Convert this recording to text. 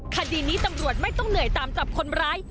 คดีนี้ตำรวจไม่ต้องเหนื่อยตามจับคนร้าย